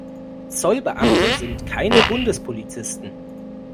Zollbeamte sind keine Bundespolizisten.